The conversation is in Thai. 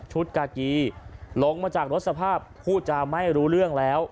กากีลงมาจากรถสภาพผู้จาไม่รู้เรื่องแล้ว